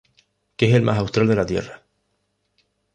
Que es el más austral de la Tierra.